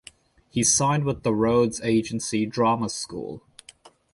He signed with the Rhodes agency drama school.